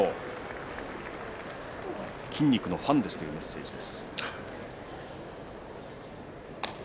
琴恵光の筋肉のファンですというメッセージです。